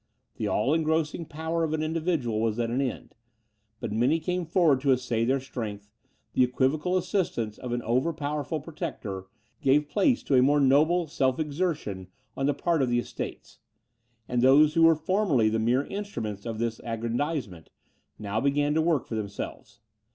The all engrossing power of an individual was at an end, but many came forward to essay their strength; the equivocal assistance of an over powerful protector, gave place to a more noble self exertion on the part of the Estates; and those who were formerly the mere instruments of his aggrandizement, now began to work for themselves.